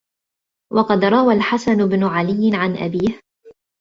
وَقَدْ رَوَى الْحَسَنُ بْنُ عَلِيٍّ عَنْ أَبِيهِ